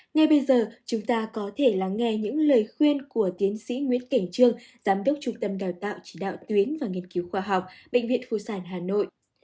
ngay bây giờ chúng ta có thể lắng nghe những lời khuyên của tiến sĩ nguyễn cảnh trương giám đốc trung tâm đào tạo chỉ đạo tuyến và nghiên cứu khoa học bệnh viện phụ sản hà nội